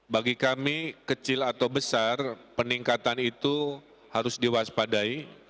bagi kami kecil atau besar peningkatan itu harus diwaspadai